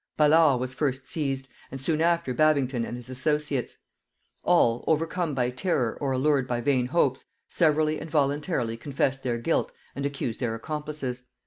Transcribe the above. Ballard was first seized, and soon after Babington and his associates. All, overcome by terror or allured by vain hopes, severally and voluntarily confessed their guilt and accused their accomplices.